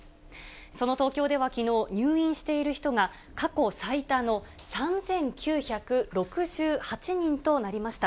その東京ではきのう、入院している人が過去最多の３９６８人となりました。